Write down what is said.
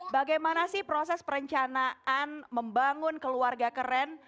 bagaimana sih proses perencanaan membangun keluarga keren